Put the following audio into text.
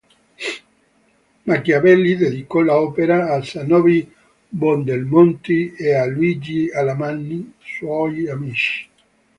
Machiavelli dedicò l'opera a Zanobi Buondelmonti e a Luigi Alamanni suoi amici.